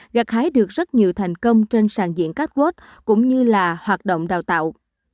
gặt hái được rất nhiều thành công trên sàn diễn catwalk cũng như là hoạt động đào tạo